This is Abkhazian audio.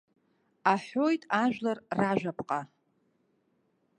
Аҳәоит ажәлар ражәаԥҟа.